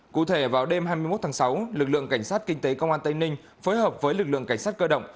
cụ thể vào đêm hai mươi một tháng sáu lực lượng cảnh sát kinh tế công an tây ninh phối hợp với lực lượng cảnh sát cơ động